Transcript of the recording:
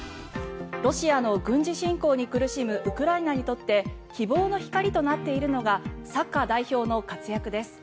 ロシアの軍事侵攻に苦しむウクライナにとって希望の光となっているのがサッカー代表の活躍です。